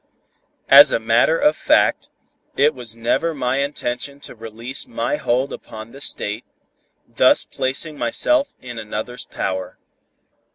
As a matter of fact, it was never my intention to release my hold upon the State, thus placing myself in another's power.